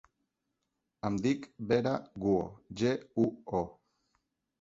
Em dic Vera Guo: ge, u, o.